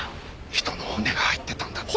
人の骨が入ってたんだって。